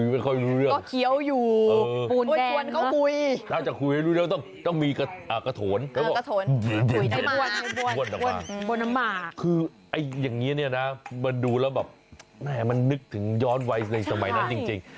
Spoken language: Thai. มาดูแล้วแบบแม่มันนึกถึงย้อนวัยในสมัยนั้นจริง